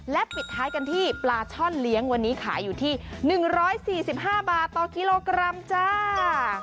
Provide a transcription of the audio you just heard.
และปิดท้ายกันที่ปลาช่อนเลี้ยงวันนี้ขายอยู่ที่๑๔๕บาทต่อกิโลกรัมจ้า